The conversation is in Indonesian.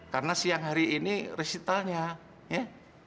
karena siang hari ini resitanya ya